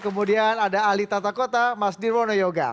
kemudian ada ahli tata kota mas nirwono yoga